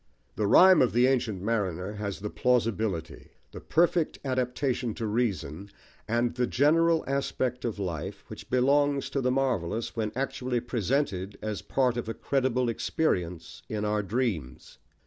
The Rhyme of the Ancient Mariner has the plausibility, the perfect adaptation to reason and the general aspect of life, which belongs to the marvellous, when actually presented as part of a credible experience in our dreams.